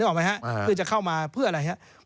คือจะเข้ามาเพื่ออะไรครับ